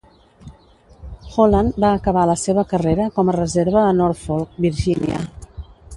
"Holland" va acabar la seva carrera com a reserva a Norfolk, Virginia.